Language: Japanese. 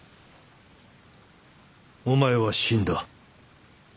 お前は死んだ。